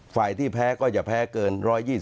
ฝ่ายที่แพ้ก็จะแพ้เกิน๑๒๖